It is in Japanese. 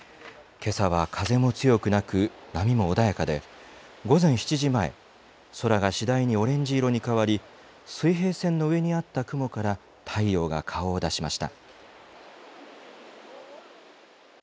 けさは風も強くなく、波も穏やかで、午前７時前、空が次第にオレンジ色に変わり、水平線の上にあった雲から太陽が顔を出しました。